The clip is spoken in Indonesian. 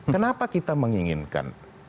kenapa kita menginginkan